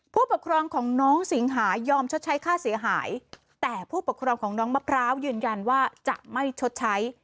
ผู้ปกครองของน้องสิงหายอมชดใช้ค่าเสียหายแต่ผู้ปกครองของน้องมะพร้าวยืนยันว่าจะไม่ชดใช้